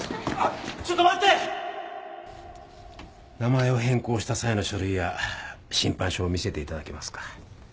ちょっと待って名前を変更した際の書類や審判書を見せていただけますか？